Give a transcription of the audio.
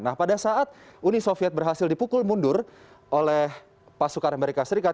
nah pada saat uni soviet berhasil dipukul mundur oleh pasukan amerika serikat